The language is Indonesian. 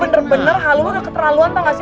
lo bener bener hal lo gak keterlaluan tau gak sih